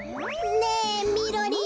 ねえみろりん。